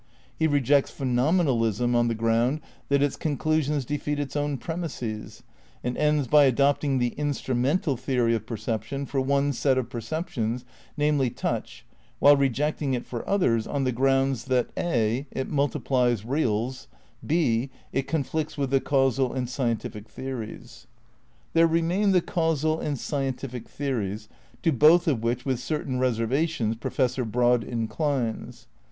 He rejects Phenomenalism on the ground that its conclusions defeat its own pre mises, and ends by adopting the "instrumental" theory of perception for one set of perceptions, namely touch, while rejecting it for others on the grounds that {a) it multiphes reals, (b) it conflicts with the causal and scientific theories. There remain the causal and scientific theories, to both of which with certain reservations Professor Broad inclines.